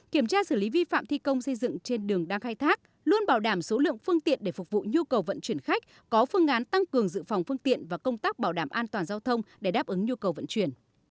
kiểm tra xử lý vi phạm thi công xây dựng trên đường đang khai thác luôn bảo đảm số lượng phương tiện để phục vụ nhu cầu vận chuyển khách có phương án tăng cường dự phòng phương tiện và công tác bảo đảm an toàn giao thông để đáp ứng nhu cầu vận chuyển